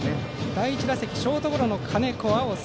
第１打席ショートゴロの金子蒼生。